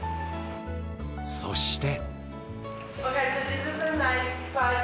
そして。